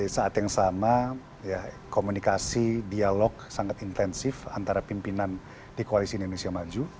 saat yang sama komunikasi dialog sangat intensif antara pimpinan di koalisi indonesia maju